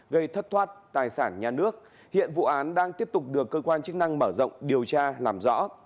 gây thất thoát tài sản nhà nước hiện vụ án đang tiếp tục được cơ quan chức năng mở rộng điều tra làm rõ